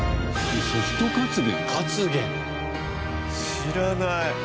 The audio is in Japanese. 知らない。